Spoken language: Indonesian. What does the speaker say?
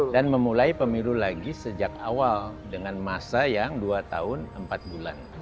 dan memulai pemilu lagi sejak awal dengan masa yang dua tahun empat bulan